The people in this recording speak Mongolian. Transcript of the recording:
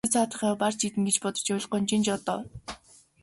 Чи цаадхыгаа барж иднэ гэж бодож байвал гонжийн жоо доо.